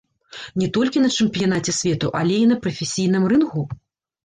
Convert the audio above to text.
Не толькі на чэмпіянаце свету, але і на прафесійным рынгу?